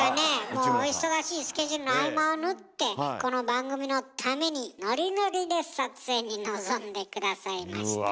もうお忙しいスケジュールの合間を縫ってこの番組のためにノリノリで撮影に臨んで下さいました。